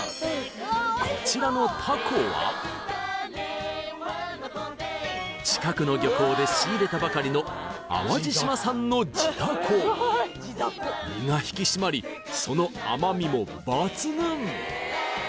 こちらのタコは近くの漁港で仕入れたばかりの身が引き締まりその甘みも抜群！